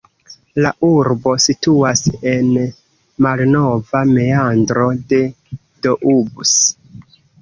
La urbo situas en malnova meandro de Doubs.